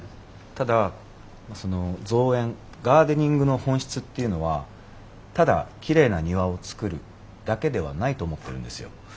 ただその造園ガーデニングの本質っていうのはただきれいな庭を造るだけではないと思ってるんですよ。